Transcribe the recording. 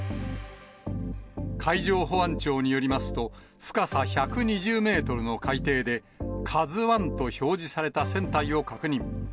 海上保安庁によりますと、深さ１２０メートルの海底で、カズワンと表示された船体を確認。